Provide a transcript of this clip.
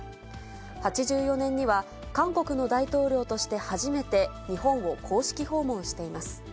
８４年には、韓国の大統領として初めて日本を公式訪問しています。